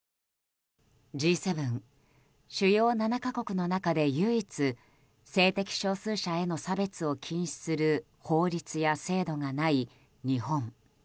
Ｇ７・主要７か国の中で唯一性的少数者への差別を禁止する法律や制度がない日本。